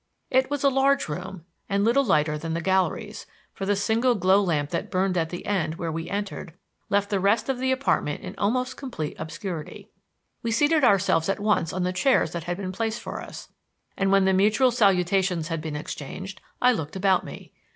It was a large room, and little lighter than the galleries, for the single glow lamp that burned at the end where we entered left the rest of the apartment in almost complete obscurity. We seated ourselves at once on the chairs that had been placed for us, and, when the mutual salutations had been exchanged, I looked about me.